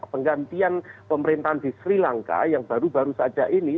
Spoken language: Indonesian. penggantian pemerintahan di sri lanka yang baru baru saja ini